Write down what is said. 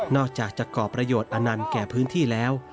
อกจากจะก่อประโยชน์อนันต์แก่พื้นที่แล้ว